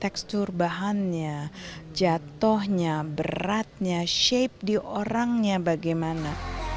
lihat tekstur bahannya jatohnya beratnya shape di orangnya bagaimana